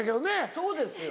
そうですよ。